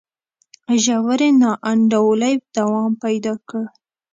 ژورې نا انډولۍ دوام پیدا کړ.